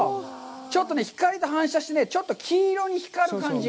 ちょっとね、光で反射して、ちょっと金色に光る感じ。